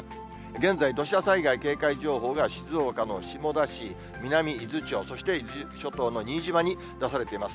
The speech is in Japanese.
現在、土砂災害警戒情報が静岡の下田市、南伊豆町、そして伊豆諸島の新島に出されています。